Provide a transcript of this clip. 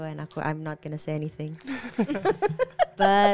dan aku enggak akan bilang apa apa